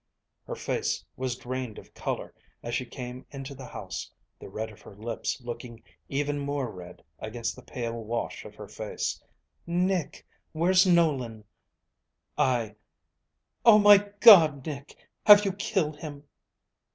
Her face was drained of color as she came into the house, the red of her lips looking even more red against the pale wash of her face. "Nick! Where's Nolan?" "I..." "Oh, my God, Nick! Have you killed him?"